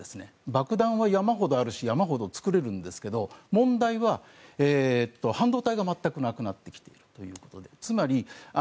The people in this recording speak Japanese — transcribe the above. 爆弾は山ほどあるし山ほど作れるんですけど問題は半導体が全くなくなってきている。